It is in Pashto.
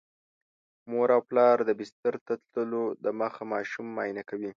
مور او پلار د بستر ته تللو دمخه ماشوم معاینه کوي.